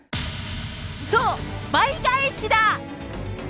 そう、倍返しだ！